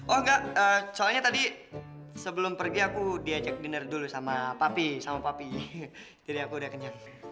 oh enggak soalnya tadi sebelum pergi aku diajak dinner dulu sama papi sama papi jadi aku udah kenyang